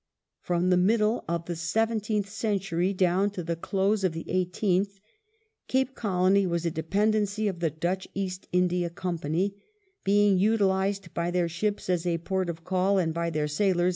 From the middle of the seventeenth century down to the close of the eighteenth. Cape Colony was a dependency of the Dutch pAst India Company, being utilized by their ships as a port of call and by their sailors a.